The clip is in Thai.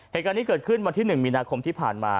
เหตุการณ์นี้เกิดขึ้นวันที่๑มีนาคมที่ผ่านมา